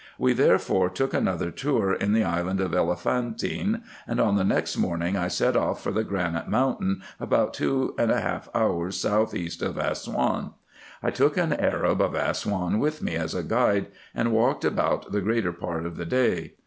We therefore took another tour in the island of Elephantine, and on the next morning I set off for the granite mountain, about two hours and a half south east of Assouan. I took an Arab of Assouan with me as a guide, and walked about the greater part of the day.